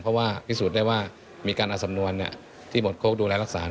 เพราะว่าพิสูจน์ได้ว่ามีการเอาสำนวนที่หมดโค้กดูแลรักษา